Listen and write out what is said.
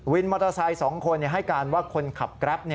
มอเตอร์ไซค์๒คนให้การว่าคนขับแกรป